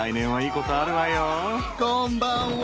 こんばんは。